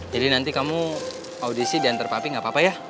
jadi nanti kamu audisi diantar papi gapapa ya